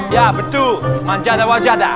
ya betul manjanda wajanda